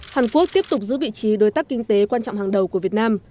hàn quốc tiếp tục giữ vị trí đối tác kinh tế quan trọng hàng đầu của việt nam